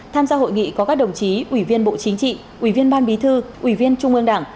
tham gia hội nghị có các đồng chí ủy viên bộ chính trị ủy viên ban bí thư ủy viên trung ương đảng